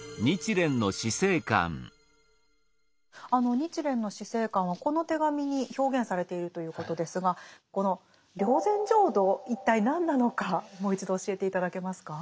日蓮の死生観はこの手紙に表現されているということですがこの霊山浄土一体何なのかもう一度教えて頂けますか？